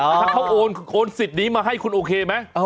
ถ้าเขาโอนโอนสิทธิ์นี้มาให้คุณโอเคไหม